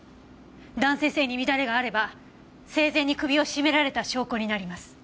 弾性繊維に乱れがあれば生前に首を絞められた証拠になります。